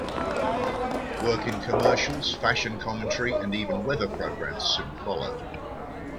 Work in commercials, fashion commentary, and even weather programs soon followed.